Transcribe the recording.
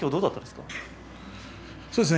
そうですね。